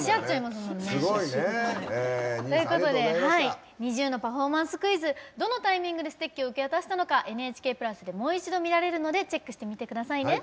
すごいねええ。ということではいＮｉｚｉＵのパフォーマンスクイズどのタイミングでステッキを受け渡したのか「ＮＨＫ＋」でもう一度見られるのでチェックしてみてくださいね。